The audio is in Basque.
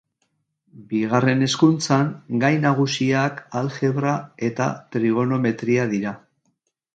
Bigarren hezkuntzan, gai nagusiak aljebra eta trigonometria dira.